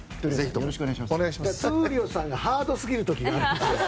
闘莉王さんがハードすぎる時がある。